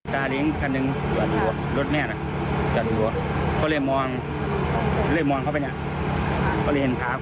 จากนี้ครั้งหนึ่งรถแม่จัดอยู่